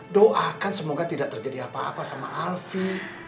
doakan semoga tidak terjadi apa apa sama alfie